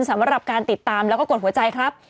สำหรับการติดตามแล้วก็กดหัวใจครับ